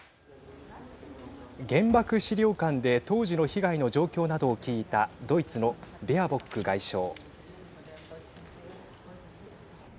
原爆資料館で当時の被害の状況などを聞いたドイツのベアボック外相。